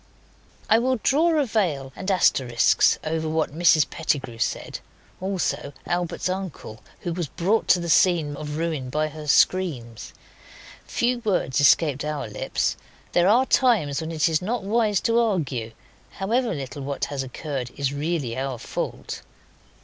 I will draw a veil and asterisks over what Mrs Pettigrew said. Also Albert's uncle, who was brought to the scene of ruin by her screams. Few words escaped our lips. There are times when it is not wise to argue; however, little what has occurred is really our fault.